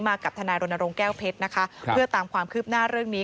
กับทนายรณรงค์แก้วเพชรนะคะเพื่อตามความคืบหน้าเรื่องนี้